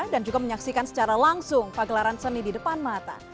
dan juga menyaksikan secara langsung pagelaran seni di depan mata